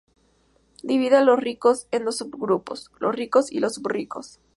Divide a "los ricos" en dos subgrupos: los ricos y los súper ricos.